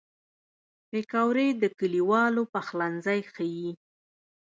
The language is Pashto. پکورې د کلیوالو پخلنځی ښيي